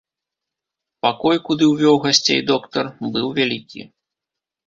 Пакой, куды ўвёў гасцей доктар, быў вялікі.